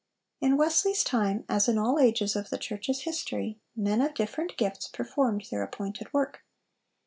In Wesley's time, as in all ages of the church's history, men of different gifts performed their appointed work.